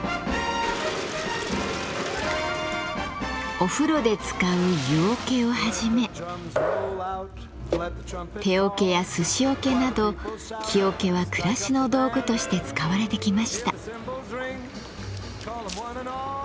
お風呂で使う湯桶をはじめ手桶やすし桶など木桶は暮らしの道具として使われてきました。